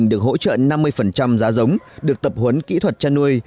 được hỗ trợ năm mươi giá giống được tập huấn kỹ thuật chăn nuôi